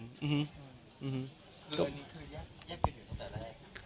คือแยกกันอยู่ตั้งแต่แรก